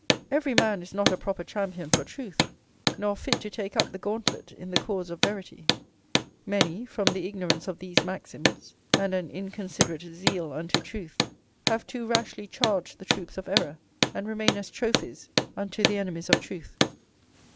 Every man is not a proper champion for truth, nor fit to take up the gauntlet in the cause of verity; many, from the ignorance of these maxims, and an inconsiderate zeal unto truth, have too rashly charged the troops of error and remain as trophies unto the enemies of truth.